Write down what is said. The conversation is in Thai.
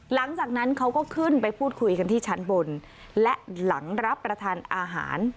หลังจากนั้นเขาก็ขึ้นไปพูดคุยกันที่ชั้นบนและหลังรับประทานอาหาร